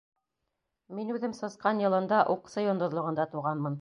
Мин үҙем Сысҡан йылында Уҡсы йондоҙлоғонда тыуғанмын.